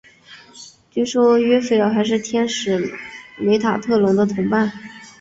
据说约斐尔还是天使梅塔特隆的同伴。